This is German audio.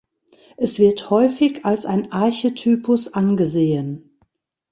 Es wird häufig als ein Archetypus angesehen.